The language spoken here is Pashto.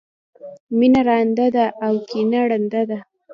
مینه رانده ده او کینه ړنده ده.